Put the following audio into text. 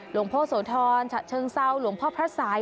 หลวงพ่อโสธรฉะเชิงเซาหลวงพ่อพระสาย